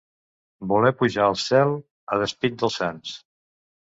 Voler pujar al cel a despit dels sants.